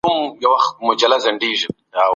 که تدریس وضاحت ولري، غلط فهم نه رامنځته کېږي.